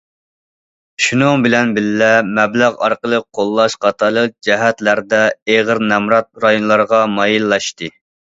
شۇنىڭ بىلەن بىللە، مەبلەغ ئارقىلىق قوللاش قاتارلىق جەھەتلەردە ئېغىر نامرات رايونلارغا مايىللاشتى.